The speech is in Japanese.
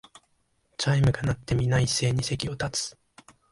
チャイムが鳴って、みな一斉に席を立つ